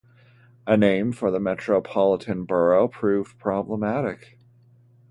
A name for the metropolitan borough proved problematic.